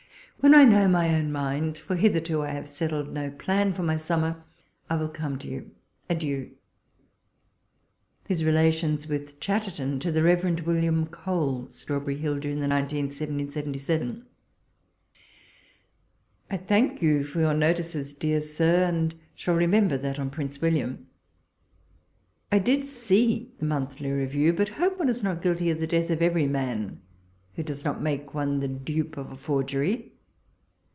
When I know my own mind, for hitherto I have settled no plan for my sum mer, I will come to you. Adieu I BIS liKLATIONS WITH CHATTT^RTON. To THE Eev. William Cole. Strawberry Hill, June 19, 1777. I THANK you for your notices, dear Sir, and shall remember that on Prince William. I did see the Moiiilily Jievirw, but hope one is not guilty of the death of every man who does not make one the dupe of a forgery.